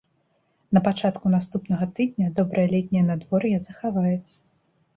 На пачатку наступнага тыдня добрае летняе надвор'е захаваецца.